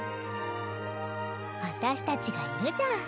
私たちがいるじゃん。